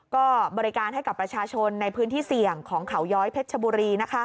ก็บริการให้กับประชาชนในพื้นที่เสี่ยงของเขาย้อยเพชรชบุรี